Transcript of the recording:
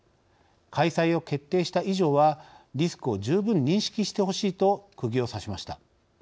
開催を決定した以上はリスクを十分認識してほしいと、くぎをさしました。